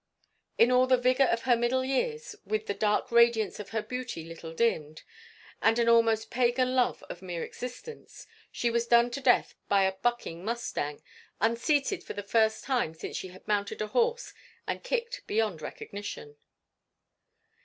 In all the vigor of her middle years, with the dark radiance of her beauty little dimmed, and an almost pagan love of mere existence, she was done to death by a bucking mustang, unseated for the first time since she had mounted a horse, and kicked beyond recognition.